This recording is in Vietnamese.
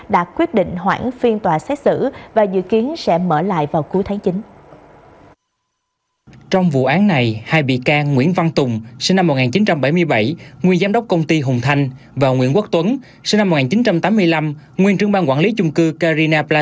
là còn thiếu thốn rất nhiều